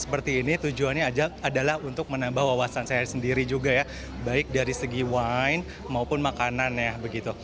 seperti ini tujuannya adalah untuk menambah wawasan saya sendiri juga ya baik dari segi wine maupun makanan ya